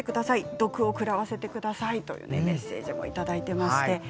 毒を食らわせてくださいというメッセージをいただいています。